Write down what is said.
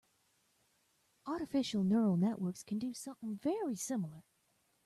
Artificial neural networks can do something very similar.